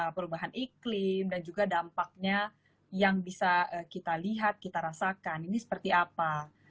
perubahan iklim dan juga dampaknya yang bisa kita lihat kita rasakan ini seperti apa